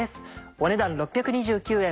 お値段６２９円